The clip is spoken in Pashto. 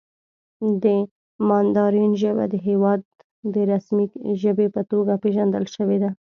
د ماندارین ژبه د هېواد د رسمي ژبې په توګه پېژندل شوې ده.